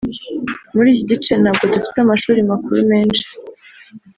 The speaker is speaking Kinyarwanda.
muri iki gice ntabwo dufite amashuri makuru menshi